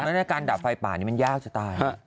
ในการดับไฟป่านี้มันยากจะตาย